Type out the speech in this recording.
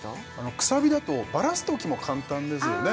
くさびだとばらすときも簡単ですよね